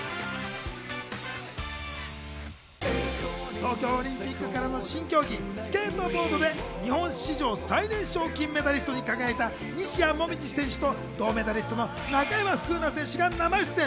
東京オリンピックからの新競技、スケートボードで日本史上最年少金メダリストに輝いた西矢椛選手と銅メダリストの中山楓奈選手が生出演。